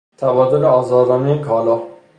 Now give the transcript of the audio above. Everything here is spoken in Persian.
تبادل آزادانهی کالا